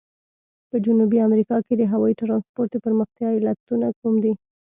په جنوبي امریکا کې د هوایي ترانسپورت د پرمختیا علتونه کوم دي؟